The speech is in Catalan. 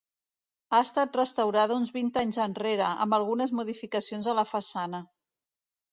Ha estat restaurada uns vint anys enrere, amb algunes modificacions a la façana.